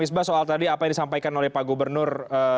isbah soal tadi apa yang disampaikan oleh pak gubernur